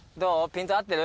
ピント合ってる？